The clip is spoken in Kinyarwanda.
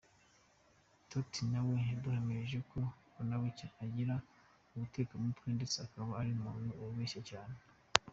Tuty nawe yaduhamirije ko Mbonabucya agira ubutekamutwe ndetse akaba ari umuntu ubeshya cyane.